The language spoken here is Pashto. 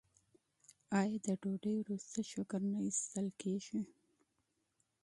آیا د ډوډۍ وروسته شکر نه ایستل کیږي؟